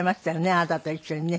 あなたと一緒にね。